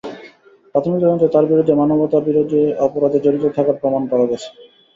প্রাথমিক তদন্তে তাঁর বিরুদ্ধে মানবতাবিরোধী অপরাধে জড়িত থাকার প্রমাণ পাওয়া গেছে।